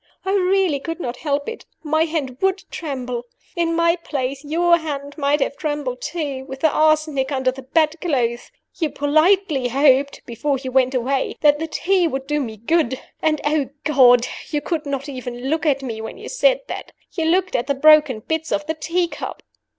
I really could not help it; my hand would tremble. In my place, your hand might have trembled too with the arsenic under the bedclothes. You politely hoped, before you went away? that the tea would do me good and, oh God, you could not even look at me when you said that! You looked at the broken bits of the tea cup.